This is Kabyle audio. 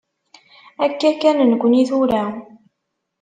Akka kan nekni tura.